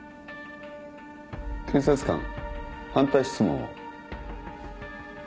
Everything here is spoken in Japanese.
検察官反対質問を。